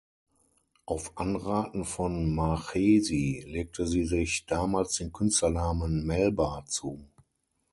Auf Anraten von Marchesi legte sie sich damals den Künstlernamen "Melba" zu.